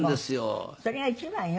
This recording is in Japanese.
それが一番よ。